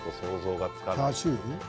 チャーシュー？